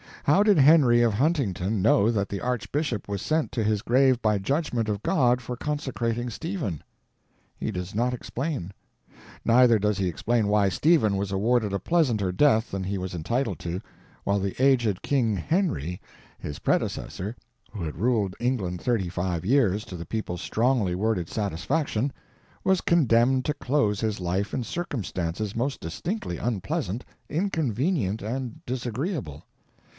How did Henry of Huntington know that the Archbishop was sent to his grave by judgment of God for consecrating Stephen? He does not explain. Neither does he explain why Stephen was awarded a pleasanter death than he was entitled to, while the aged King Henry, his predecessor, who had ruled England thirty five years to the people's strongly worded satisfaction, was condemned to close his life in circumstances most distinctly unpleasant, inconvenient, and disagreeable.